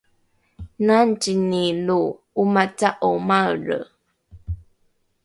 nangzini lo ’omaca’o maelre?